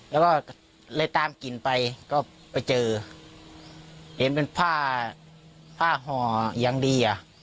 แล้วก็เลยตามกลิ่นไปก็ไปเจอเห็นเป็นผ้าผ้าห่ออย่างดีอ่ะ